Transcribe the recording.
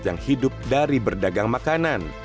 yang hidup dari berdagang makanan